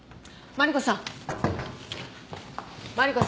マリコさん。